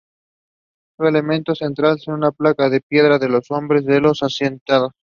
Su elemento central es una placa de piedra con los nombres de los asesinados.